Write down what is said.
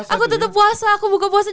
aku tetap puasa aku buka puasa